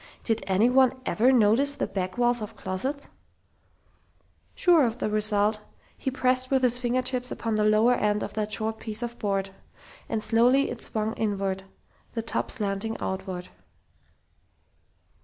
Did anyone ever notice the back walls of closets? Sure of the result, he pressed with his finger tips upon the lower end of that short piece of board. And slowly it swung inward, the top slanting outward.